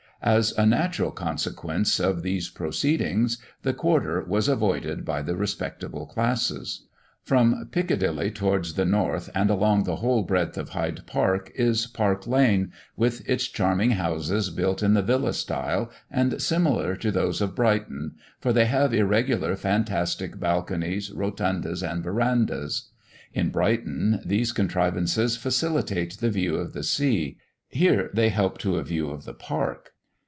As a natural consequence of these proceedings, the quarter was avoided by the respectable classes. From Piccadilly towards the north, and along the whole breadth of Hyde park is Park lane, with its charming houses built in the villa style, and similar to those of Brighton, for they have irregular fantastic balconies, rotundas, and verandahs. In Brighton these contrivances facilitate the view of the sea; here they help to a view of the park.